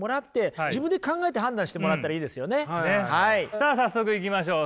さあ早速いきましょう。